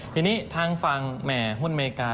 ทีนี้ทางฝั่งแหม่หุ้นอเมริกา